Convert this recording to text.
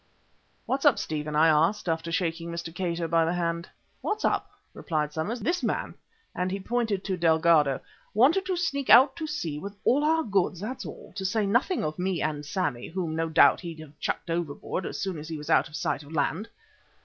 "What's up, Stephen?" I asked, after shaking Mr. Cato by the hand. "What's up?" replied Somers. "This man," and he pointed to Delgado, "wanted to sneak out to sea with all our goods, that's all, to say nothing of me and Sammy, whom, no doubt, he'd have chucked overboard, as soon as he was out of sight of land.